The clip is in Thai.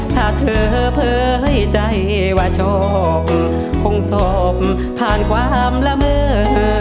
ถ้าเธอเผยใจว่าชอบคงสอบผ่านความละเมื่อ